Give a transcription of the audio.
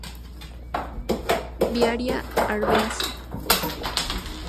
Viaria, arvense.